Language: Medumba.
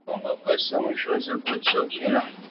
Bônke’ nke nson ju ze bo tù’ ngù là.